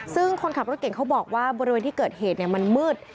ซึ่งคนขับรถเก่งเขาบอกว่าบริเวณที่เกิดเหตุมันมืด